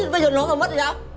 bây giờ nó còn mất thế nhá